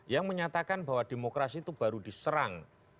yang menyatakan bahwa demokrasi itu baru diserang